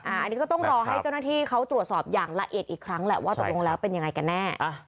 อันนี้ก็ต้องรอให้เจ้าหน้าที่เขาตรวจสอบอย่างละเอียดอีกครั้งแหละว่าตกลงแล้วเป็นยังไงกันแน่